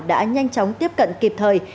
đã nhanh chóng tiếp cận kịp thời